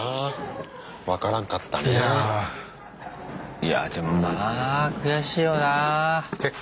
いやでもな悔しいよな。